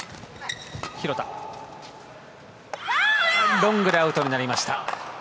ロングでアウトになりました。